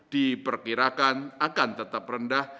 diperkirakan akan tetap rendah